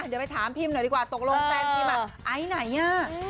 เดี๋ยวไปถามพิมหน่อยดีกว่าตกลงแฟนพิมพ์ไอไหนอ่ะ